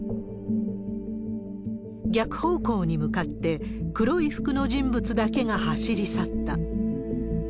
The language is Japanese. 逆方向に向かって、黒い服の人物だけが走り去った。